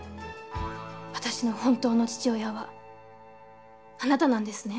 私の本当の父親はあなたなんですね？